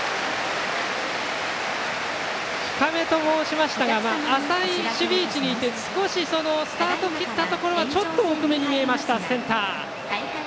深めと申しましたが浅い守備位置にいてスタートを切ったところはちょっと奥めに見えましたセンター。